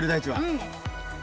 うん。